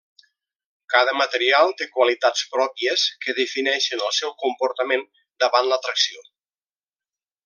Cada material té qualitats pròpies que defineixen el seu comportament davant la tracció.